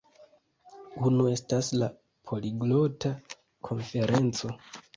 Unu estas la Poliglota Konferenco